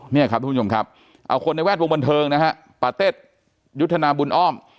นี่ครับทุกผู้ชมครับเอาคนในแวดวงบันเทิงนะฮะปาเต็ดยุทธนาบุญอ้อม